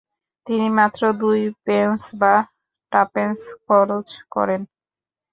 তিনি মাত্র দুই পেন্স বা টাপেন্স খরচ করেন।